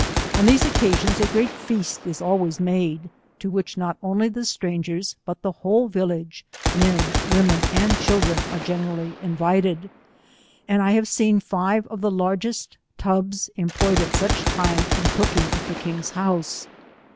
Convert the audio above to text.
On these oeeasions a great feast is always made, to which not only the strangers, but the whole village men, women, 'and children are generally invited, and I have seen five of the largest tubs employed at such time, in cooking at the king's house.